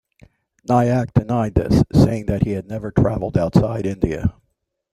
Nayak denied this, saying that he had never travelled outside India.